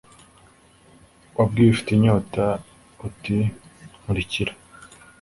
wabwiye ufite inyota uti nkurikira